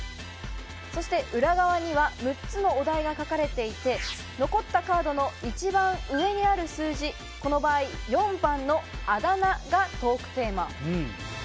裏側には６つのお題が書かれていて、残ったカードの一番上にある数字、この場合、４番の「あだ名」がトークテーマ。